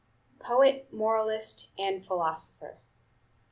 POET, MORALIST, AND PHILOSOPHER.